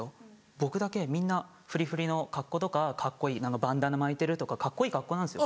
僕だけみんなふりふりの格好とかカッコいいバンダナ巻いてるとかカッコいい格好なんですよ。